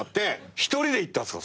一人で行ったんすか？